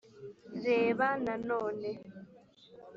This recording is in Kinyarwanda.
Reba nanone